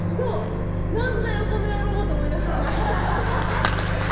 何だよ、この野郎！と思いながら。